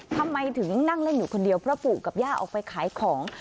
ทำไมถึงนั่งเล่นอยู่คนเดียวเพราะปู่กับย่าออกไปขายของ